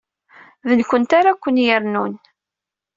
D nekkenti ara ken-yernun.